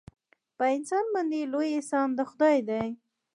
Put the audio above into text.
په انسان باندې لوی احسان د خدای دی.